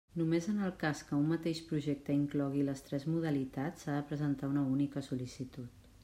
Només en el cas que un mateix projecte inclogui les tres modalitats s'ha de presentar una única sol·licitud.